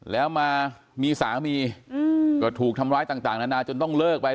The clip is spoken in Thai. แล้วมามีสามีก็ถูกทำร้ายต่างนานาจนต้องเลิกไป